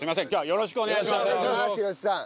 よろしくお願いします廣瀬さん。